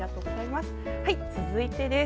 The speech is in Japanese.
続いてです。